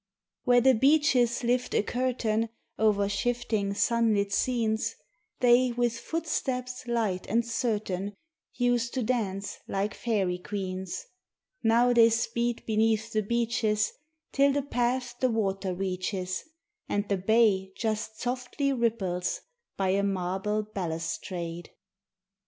Where the beeches lift a curtain Over shifting sunlit scenes, They with footsteps light and certain Used to dance like fairy queens; Now they speed beneath the beeches Till the path the water reaches And the bay just softly ripples by a marble balustrade.